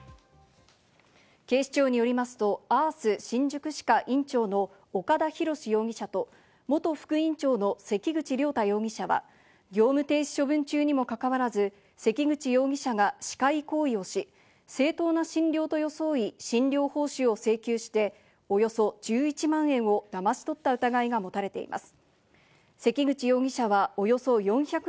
警視庁によりますと、「あーす新宿歯科」院長の岡田洋容疑者と元副院長の関口了太容疑者は業務停止処分中にも関わらず、関口容疑者が歯科医行為をし、正当な診療と装い診療報酬を請求して、およそ１１万円をだまし取った疑いが持たれています。